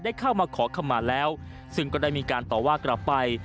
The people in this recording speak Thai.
เข้ามาขอขมาแล้วซึ่งก็ได้มีการต่อว่ากลับไป